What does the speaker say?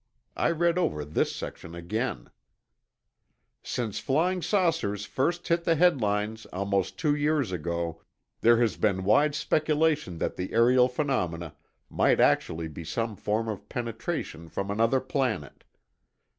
I read over this section again: Since flying saucers first hit the headlines almost two years ago, there has been wide speculation that the aerial phenomena might actually be some form of penetration from another planet.